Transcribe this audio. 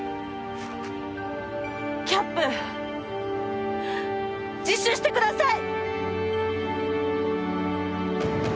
キャップ自首してください！